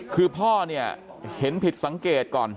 คือพ่อเนี่ยเห็นผิดสังเกตก่อน